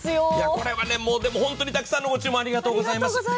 これはでも本当にたくさんのご注文、ありがとうございます。